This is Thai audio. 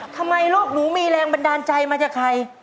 ทำไมลูกหนูมีแรงบันดาลใจมาจากใคร